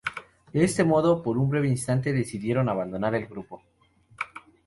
De este modo, por un breve instante, decidieron abandonar el grupo.